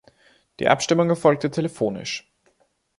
Die Abstimmung erfolgte telefonisch.